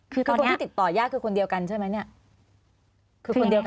คือคนที่ติดต่อยากคือคนเดียวกันใช่ไหม